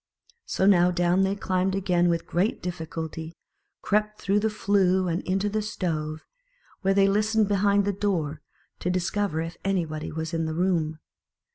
So now down they climbed again with great difficulty, crept through the flue and into the stove, where they listened behind the door, to discover if anybody was in the room.